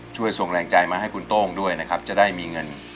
ช่วยส่งแรงใจมาให้คุณโต้งด้วยนะครับจะได้มีเงิน